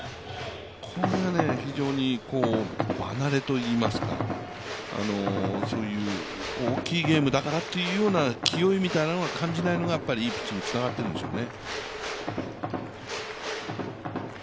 これが非常に場慣れといいますか、大きいゲームだからみたいな気負いは感じないのがいいピッチングにつながっているんでしょうね。